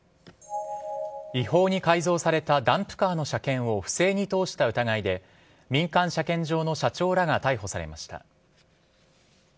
違法に改造されたダンプカーの車検を不正に通した疑いで民間車検場の社長らが逮捕されました。